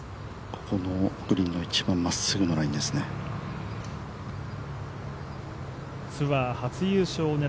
ここのグリーンはまっすぐのラインですね。